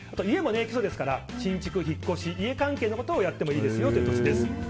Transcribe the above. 家も基礎ですから新築、引っ越し、家関係のことをやってもいいですよという年です。